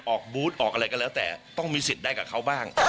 บูธออกอะไรก็แล้วแต่ต้องมีสิทธิ์ได้กับเขาบ้าง